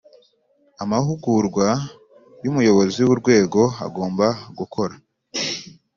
amahugurwa Umuyobozi w Urwego agomba gukora